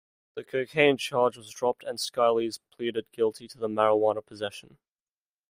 The cocaine charge was dropped, and Skiles pleaded guilty to the marijuana possession.